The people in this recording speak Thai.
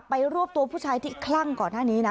รวบตัวผู้ชายที่คลั่งก่อนหน้านี้นะ